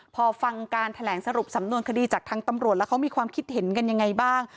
พอฟังการแถลงสรุปสำนวนคดีจากทางตำรวจแล้วเขามีความคิดเห็นกันยังไงบ้าง